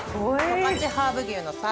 十勝ハーブ牛の。